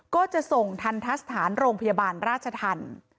ก็จะส่งทันทะสถานโรงพยาบาลราชธรรม